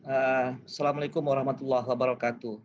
assalamualaikum warahmatullahi wabarakatuh